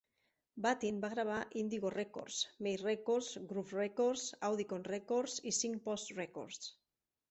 Battin va gravar a Indigo Records, May Records, Groove Records, Audicon Records i Signpost Records.